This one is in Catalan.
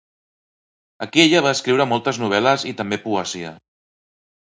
Aquí ella va escriure moltes novel·les i també poesia.